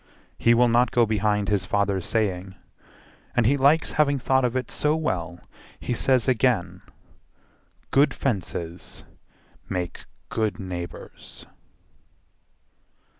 He will not go behind his father's saying, And he likes having thought of it so well He says again, "Good fences make good neighbours."